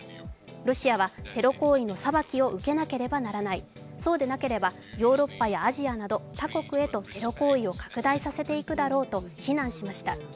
ロシアはテロ行為の裁きを受けなければならない、そうでなければヨーロッパやアジアなど他国へとテロ行為を拡大させていくだろうと非難しました。